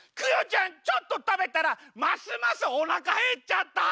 ちょっと食べたらますますおなかへっちゃった！